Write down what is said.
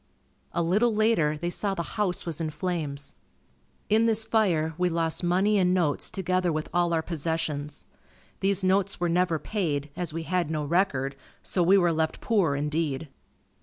A little later, they saw the house was in flames. In this fire, we lost money and notes together with all our possessions. These notes were never paid, as we had no record so we were left poor indeed.